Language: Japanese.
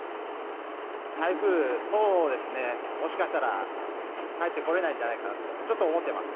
台風、そうですね、もしかしたら帰ってこれないんじゃないかと、ちょっと思ってます。